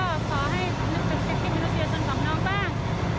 แล้วก็ขอให้นึกถึงเจ็บที่มนุษยศนของน้องบ้าง